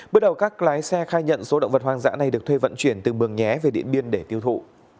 bước đầu các lái xe khai nhận số động vật hoang dã này được thuê vận chuyển từ mường nhé về điện biên để tiêu thụ